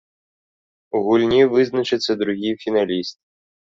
У гульні вызначыцца другі фіналіст.